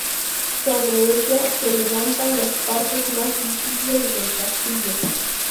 Sobre ella se levantan las partes más visibles del castillo.